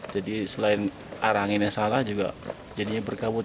jadi selain arangin yang salah juga jadinya berkabut